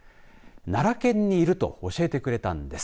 奈良県にいると教えてくれたんです。